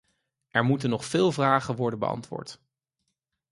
Er moeten nog veel vragen worden beantwoord.